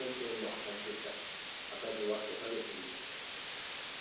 赤字は５カ月ぶりです。